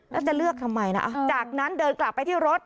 แล้วจะเลือกทำไมนะจากนั้นเดินกลับไปที่รถ